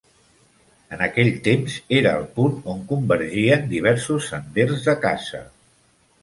En aquell temps, era el punt on convergien diversos senders de caça.